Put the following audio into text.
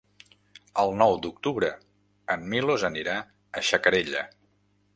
El nou d'octubre en Milos anirà a Xacarella.